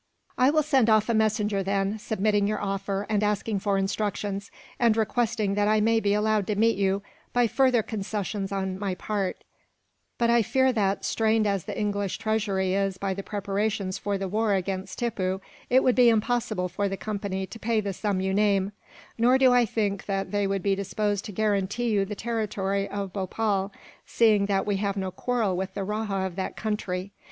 "I will send off a messenger, then, submitting your offer and asking for instructions, and requesting that I may be allowed to meet you, by further concessions on my part; but I fear that, strained as the English treasury is by the preparations for the war against Tippoo, it would be impossible for the Company to pay the sum you name; nor do I think that they would be disposed to guarantee you the territory of Bhopal, seeing that we have no quarrel with the rajah of that country.